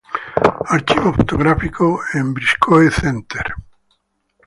Archivo fotográfico en Briscoe Center